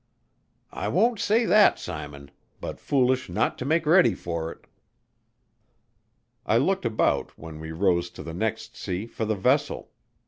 "I won't say that, Simon, but foolish not to make ready for it." I looked about when we rose to the next sea for the vessel.